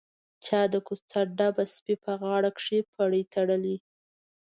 چا د کوڅه ډبه سپي په غاړه کښې پړى تړلى.